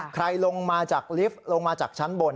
ลงมาจากลิฟต์ลงมาจากชั้นบน